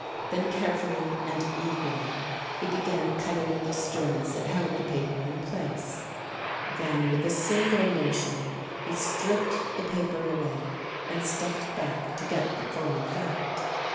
Then carefully and eagerly, he began cutting the strings that held the paper in place. Then, a single motion, he stripped the paper away and stepped back to get the full effect.